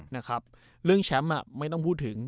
นะครับเรื่องแชมป์ไม่ต้องพูดถึง